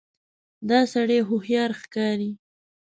دا سړی هوښیار ښکاري.